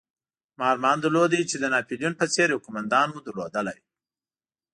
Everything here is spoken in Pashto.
ما ارمان درلود چې د ناپلیون په څېر یو قومندان مو درلودلای.